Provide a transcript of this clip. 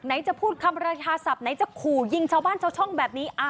จะพูดคำประชาศัพท์ไหนจะขู่ยิงชาวบ้านชาวช่องแบบนี้